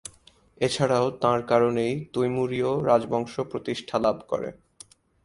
এছাড়াও তাঁর কারণেই তৈমুরীয় রাজবংশ প্রতিষ্ঠা লাভ করে।